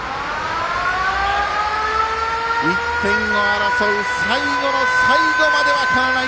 １点を争う最後の最後まで分からない